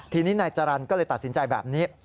ทีนี้นายจรรย์ก็เลยตัดสินใจแบบนี้